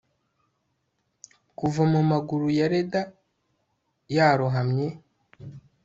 Kuva mu maguru ya Leda yarohamye